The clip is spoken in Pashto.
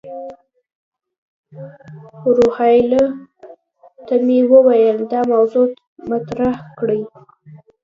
روهیال ته مې وویل دا موضوع مطرح کړي.